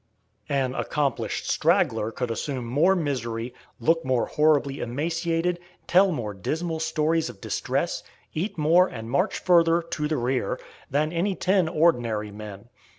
An accomplished straggler could assume more misery, look more horribly emaciated, tell more dismal stories of distress, eat more and march further (to the rear), than any ten ordinary men.